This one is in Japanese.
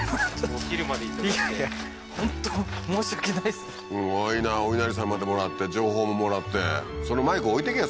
すごいなおいなりさんまでもらって情報ももらってそのマイク置いてけよ